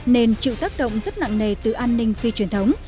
nên chịu tác động rất nặng nề từ an ninh phi truyền thống